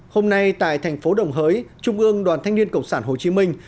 hôm nay tại thành phố đồng hới trung ương đoàn thanh niên cộng sản hồ chí minh